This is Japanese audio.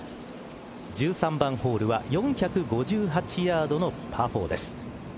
１３番ホールは４５８ヤードのパー４です。